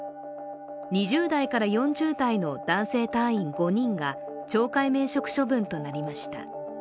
２０代から４０代の男性隊員５人が懲戒免職となりました。